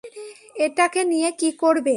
এটাকে নিয়ে কী করবে?